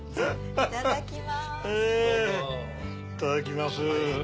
いただきます。